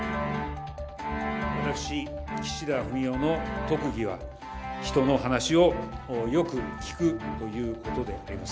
私、岸田文雄の特技は、人の話をよく聞くということであります。